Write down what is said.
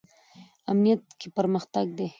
امنیت کې پرمختګ دی